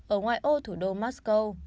ở ngoài ô thủ đô moscow